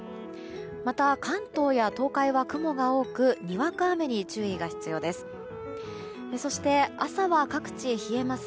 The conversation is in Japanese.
また、関東や東海は雲が多くにわか雨に注意が必要です。